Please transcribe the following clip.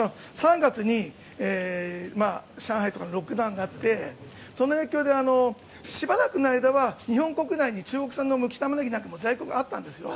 ３月に上海とかでロックダウンがあってその影響でしばらくの間は日本国内の中国産のむきタマネギなんかも在庫があったんですよ。